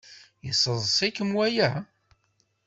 Yesseḍs-ikem waya?